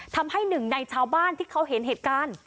ทำให้หนึ่งในชาวบ้านที่เขาเห็นเหตุการณ์